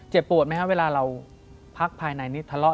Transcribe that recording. ปวดไหมครับเวลาเราพักภายในนี้ทะเลาะ